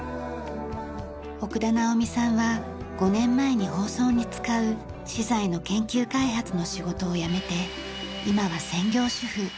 奥田奈緒美さんは５年前に包装に使う資材の研究開発の仕事を辞めて今は専業主婦。